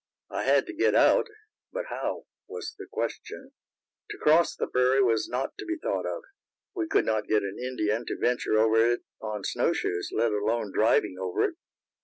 I had to get out; but how, was the question. To cross the prairie was not to be thought of; we could not get an Indian to venture over it on snowshoes, let alone driving over it.